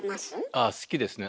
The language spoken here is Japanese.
ああ好きですね。